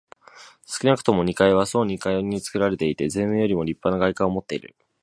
少なくとも二階は総二階につくられていて、前面よりもりっぱな外観をもっている。